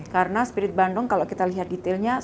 karena spirit bandung kalau kita lihat detailnya